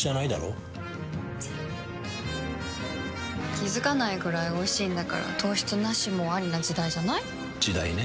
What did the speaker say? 気付かないくらいおいしいんだから糖質ナシもアリな時代じゃない？時代ね。